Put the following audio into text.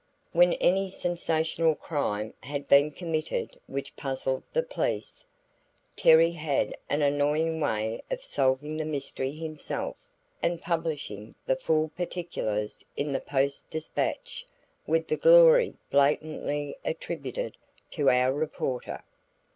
When any sensational crime had been committed which puzzled the police, Terry had an annoying way of solving the mystery himself, and publishing the full particulars in the Post Dispatch with the glory blatantly attributed to "our reporter."